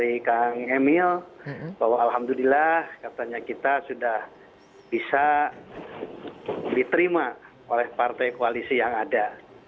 saya mau telepon lagi dari kang emil bahwa alhamdulillah katanya kita sudah bisa diterima oleh partai koalisi yang ada